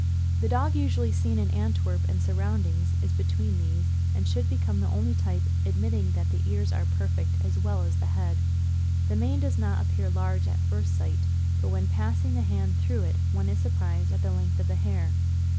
The dog usually seen in Antwerp and surroundings is between these, and should become the only type, admitting that the ears are perfect as well as the head. The mane does not appear large at first sight, but when passing the hand through it one is surprised at the length of the hair.